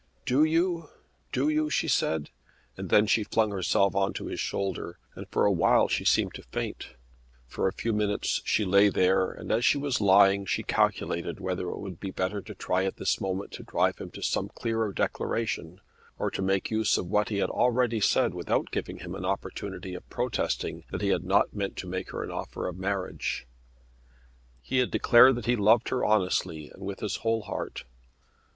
"Do you? Do you?" she said, and then she flung herself on to his shoulder, and for a while she seemed to faint. For a few minutes she lay there and as she was lying she calculated whether it would be better to try at this moment to drive him to some clearer declaration, or to make use of what he had already said without giving him an opportunity of protesting that he had not meant to make her an offer of marriage. He had declared that he loved her honestly and with his whole heart.